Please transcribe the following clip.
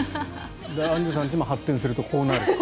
アンジュさんの家も発展すると、こうなるという。